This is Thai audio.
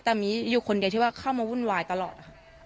แต่มีอยู่คนเดียวที่ว่าเข้ามาวุ่นวายตลอดนะคะ